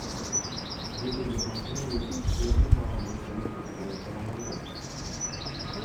Бир эле материал үчүн силердин маалымат агенттигиңер томолонбойт.